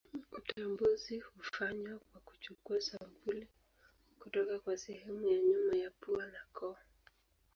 Utambuzi hufanywa kwa kuchukua sampuli kutoka kwa sehemu ya nyuma ya pua na koo.